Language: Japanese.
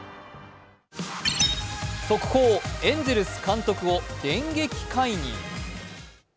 速報、エンゼルス監督を電撃解任。